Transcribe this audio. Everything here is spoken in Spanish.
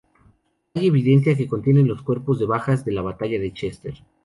Hay evidencia que contienen los cuerpos de bajas de la Batalla de Chester.